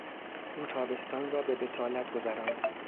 او تابستان را به بطالت گذراند.